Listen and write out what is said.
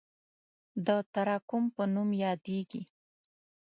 د تراکم په نوم یادیږي.